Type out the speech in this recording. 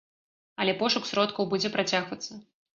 Але пошук сродкаў будзе працягвацца.